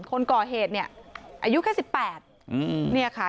คนก่อเหตุเนี้ยอายุแค่สิบแปดอืมเนี้ยค่ะ